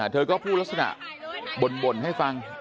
เธอก็พูดลักษณะบ่นให้ฟัง